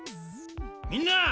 みんな！